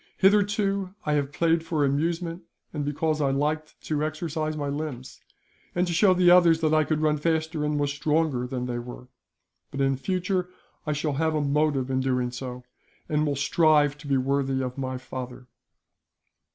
Hitherto I have played for amusement, and because I liked to exercise my limbs, and to show the others that I could run faster and was stronger than they were; but in future I shall have a motive in doing so, and will strive to be worthy of my father."